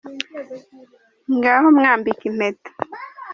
Ngaho mwambike impeta.